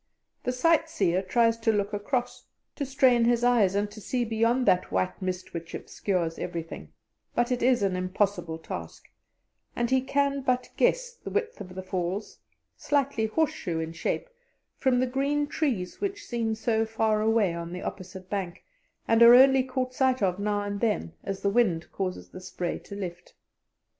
The sight seer tries to look across, to strain his eyes and to see beyond that white mist which obscures everything; but it is an impossible task, and he can but guess the width of the Falls, slightly horseshoe in shape, from the green trees which seem so far away on the opposite bank, and are only caught sight of now and then as the wind causes the spray to lift.